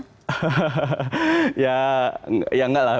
hahaha ya nggak lah